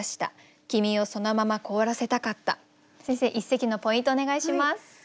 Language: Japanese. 先生一席のポイントをお願いします。